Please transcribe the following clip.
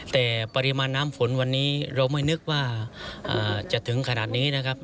แต่ปริมาณน้ำฝนวันนี้เราไม่นึกว่าจะถึงขนาดนี้นะครับ